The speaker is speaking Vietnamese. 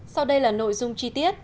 sau đây là nội dung chi tiết